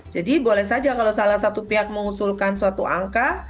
jadi boleh saja kalau salah satu pihak mengusulkan suatu angka